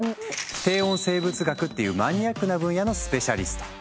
低温生物学っていうマニアックな分野のスペシャリスト。